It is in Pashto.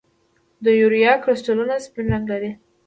د یوریا کرسټلونه سپین رنګ لري.